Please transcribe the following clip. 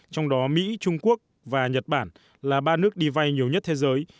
trong đó mỹ trung quốc và nhật bản là ba nước đi vay nhiều nhất thế giới